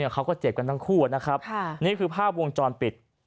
เขาก็เจ็บกันทั้งคู่นะครับนี่คือภาพวงจรปิด